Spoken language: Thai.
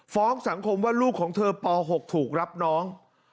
สังคมว่าลูกของเธอป๖ถูกรับน้อง